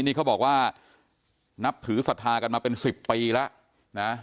นี่เขาบอกว่านับถือศรัทธากันมาเป็น๑๐ปีแล้วนะ